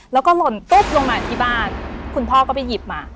แล้วก็หล่นตุ๊บลงมาที่บ้านคุณพ่อก็ไปหยิบมา